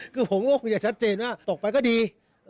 คือผมโลกอย่างชัดเจนว่าตกไปก็ดี